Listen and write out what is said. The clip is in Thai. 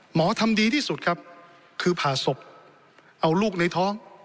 ทำดีที่สุดครับคือผ่าศพเอาลูกในท้อง